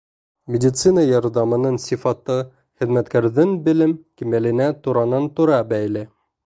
Медицина ярҙамының сифаты хеҙмәткәрҙең белем кимәленә туранан-тура бәйле.